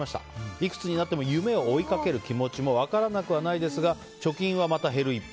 いくつになっても夢を追いかける気持ちも分からなくはないですが貯金はまた減る一方。